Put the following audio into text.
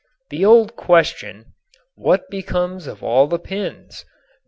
The old question, "What becomes of all the pins?"